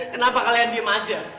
kenapa kalian diem aja